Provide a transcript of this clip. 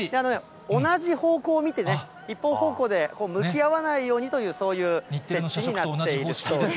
同じ方向を見てね、一方方向で、向き合わないようにというそういうふうになっているそうです。